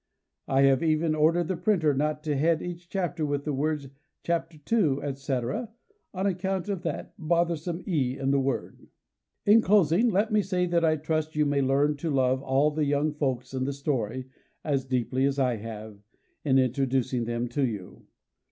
I have even ordered the printer not to head each chapter with the words "Chapter 2," etc., on account of that bothersome E in that word. In closing let me say that I trust you may learn to love all the young folks in the story, as deeply as I have, in introducing them to you.